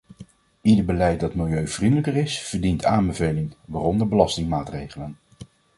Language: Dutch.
Ieder beleid dat milieuvriendelijk is verdient aanbeveling, waaronder belastingmaatregelen.